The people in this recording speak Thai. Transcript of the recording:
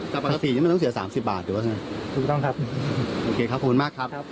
แต่ประสิทธิ์มันต้องเสีย๓๐บาทหรือเปล่าใช่ไหมถูกต้องครับโอเคขอบคุณมากครับ